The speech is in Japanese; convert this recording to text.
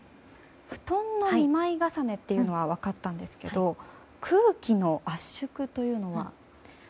布団が２枚重ねというのは分かったんですが空気の圧縮というのは？